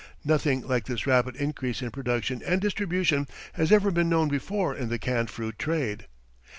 Nothing like this rapid increase in production and distribution has ever been known before in the canned fruit trade.